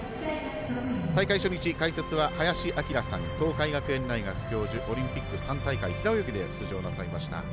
大会初日、解説は林享さん、東海学園大学教授オリンピック３大会、平泳ぎで出場なさいました。